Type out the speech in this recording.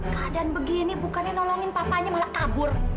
keadaan begini bukannya nolongin papanya malah kabur